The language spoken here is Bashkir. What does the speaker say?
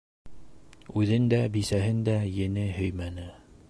Үҙен дә, бисәһен дә ене һөймәне.